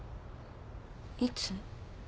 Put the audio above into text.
いつ？